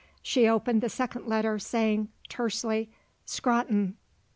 She opened the second letter saying, tersely: "Scrotton."